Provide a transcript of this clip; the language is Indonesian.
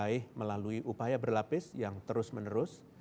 pencapaian ini diraih melalui upaya berlapis yang terus menerus